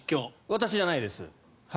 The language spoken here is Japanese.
私じゃないです。